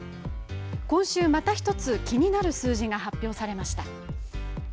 今週また１つ、気になる数字が発表されました。